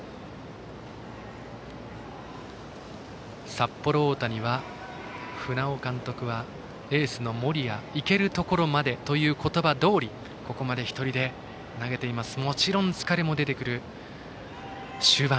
札幌大谷の船尾監督はエースの森谷に行けるところまでという言葉どおりここまで１人で投げているもちろん疲れも出る終盤。